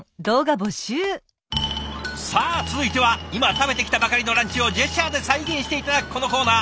さあ続いては今食べてきたばかりのランチをジェスチャーで再現して頂くこのコーナー。